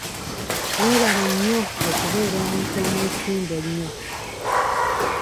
Weebale nnyo okubeera omuntu omwesimbu ennyo.